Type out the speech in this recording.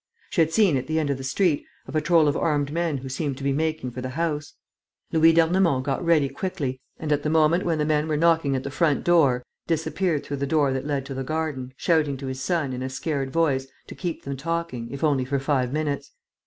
She had seen, at the end of the street, a patrol of armed men who seemed to be making for the house. Louis d'Ernemont got ready quickly and, at the moment when the men were knocking at the front door, disappeared through the door that led to the garden, shouting to his son, in a scared voice, to keep them talking, if only for five minutes.